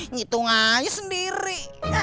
ngitung aja sendiri